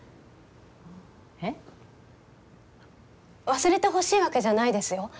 忘れてほしいわけじゃないですよ。